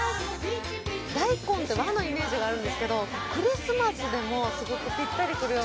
大根って和のイメージがあるんですけどクリスマスでもすごくピッタリくるような。